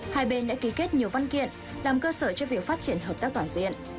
hai bên đã ký kết nhiều văn kiện làm cơ sở cho việc phát triển hợp tác toàn diện